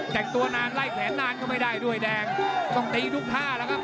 แต่งตัวนานไล่แขนนานก็ไม่ได้ด้วยแดงต้องตีทุกท่าแล้วครับ